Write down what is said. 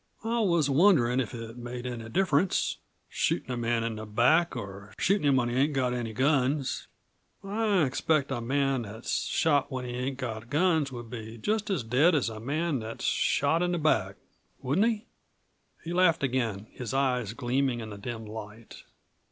I was wonderin' if it made any difference shootin' a man in the back or shootin' him when he ain't got any guns. I expect a man that's shot when he ain't got guns would be just as dead as a man that's shot in the back, wouldn't he?" He laughed again, his eyes gleaming in the dim light.